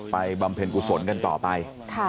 บำเพ็ญกุศลกันต่อไป